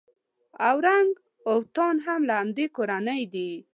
اورنګ اوتان هم له همدې کورنۍ دي.